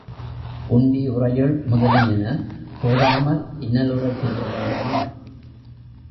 உண்டி, உறையுள் முதலியன போதாமல் இன்னலுறச் செய்ய வேண்டுமா?